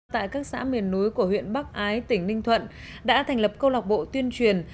tại các xã miền núi của huyện bắc ái tỉnh ninh thuận đã thành lập câu lạc bộ tuyên truyền